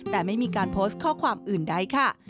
แต่ไม่มีการโพสต์ข้อความอื่นใดค่ะ